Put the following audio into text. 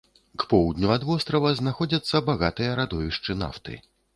К поўдню ад вострава знаходзяцца багатыя радовішчы нафты.